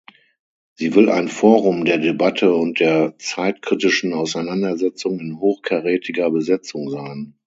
Sie will ein Forum der Debatte und der zeitkritischen Auseinandersetzung in hochkarätiger Besetzung sein.